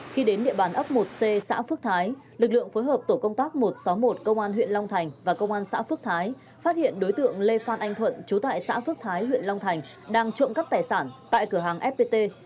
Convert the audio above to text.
khi đến địa bàn ấp một c xã phước thái lực lượng phối hợp tổ công tác một trăm sáu mươi một công an huyện long thành và công an xã phước thái phát hiện đối tượng lê phan anh thuận trú tại xã phước thái huyện long thành đang trộm cắp tài sản tại cửa hàng fpt